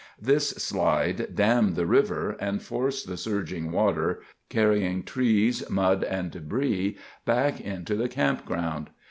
This slide dammed the river and forced the surging water—carrying trees, mud, and debris, back into the campground.